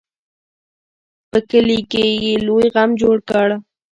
په کلي کې یې لوی غم جوړ کړ.